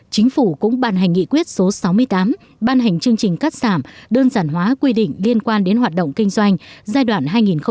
chính phủ cũng ban hành nghị quyết số sáu mươi tám ban hành chương trình cắt giảm đơn giản hóa quy định liên quan đến hoạt động kinh doanh giai đoạn hai nghìn một mươi sáu hai nghìn hai mươi